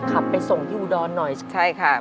ขับไปส่งที่อุดรหน่อยใช่ค่ะ